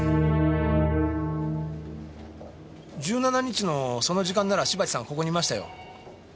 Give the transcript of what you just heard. １７日のその時間なら芝木さんここにいましたよ。